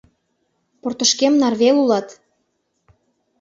Портышкем нар вел улат...